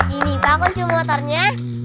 ini pak aku simp motornya